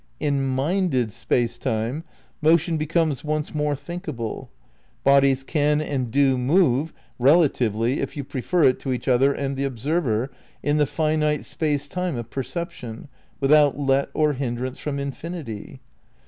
In minded Space Time motion becomes once more thinkable; bodies can and do move (relatively, if you prefer it to each other and the observer) in the finite Space Time of perception, without let or hindrance from infinity.